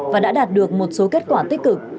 và đã đạt được một số kết quả tích cực